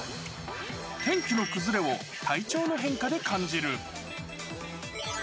天気の崩れを体調の変化で感じる。